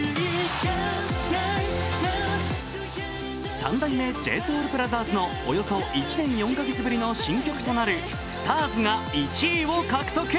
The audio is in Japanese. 三代目ＪＳＯＵＬＢＲＯＴＨＥＲＳのおよそ１年４か月ぶりの新曲となる「ＳＴＡＲＳ」が１位を獲得。